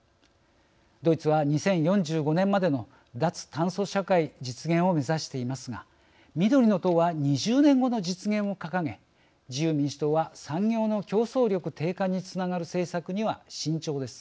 ドイツは２０４５年までの脱炭素社会実現を目指していますが緑の党は２０年後の実現を掲げ自由民主党は産業の競争力低下につながる政策には慎重です。